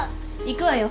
行くわよ。